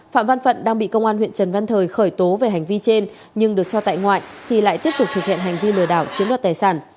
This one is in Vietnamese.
phạm văn phận đang bị công an huyện trần văn thời khởi tố về hành vi trên nhưng được cho tại ngoại thì lại tiếp tục thực hiện hành vi lừa đảo chiếm đoạt tài sản